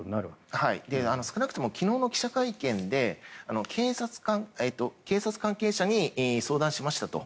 少なくとも昨日の記者会見で警察関係者に相談しましたと。